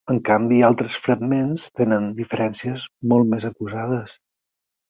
En canvi altres fragments tenen diferències molt més acusades.